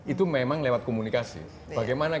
itu memang lewat komunikasi bagaimana